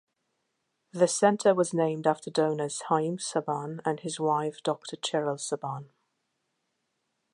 The center was named after donors Haim Saban and his wife Doctor Cheryl Saban.